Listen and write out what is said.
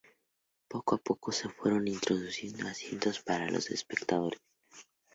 Poco a poco se fueron introduciendo asientos para los espectadores.